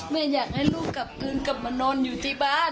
อยากให้ลูกกลับคืนกลับมานอนอยู่ที่บ้าน